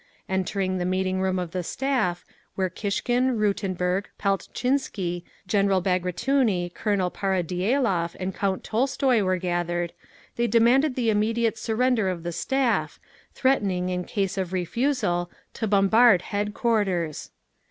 Entering the meeting room of the Staff, where Kishkin, Rutenburg, Paltchinski, General Bagratouni, Colonel Paradielov and Count Tolstoy were gathered, they demanded the immediate surrender of the Staff; threatening, in case of refusal, to bombard headquarters….